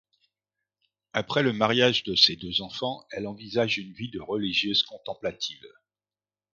Après le mariage de ses deux enfants, elle envisage une vie de religieuse contemplative.